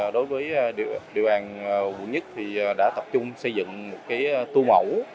đối với điều an quận một thì đã tập trung xây dựng một cái tu mẫu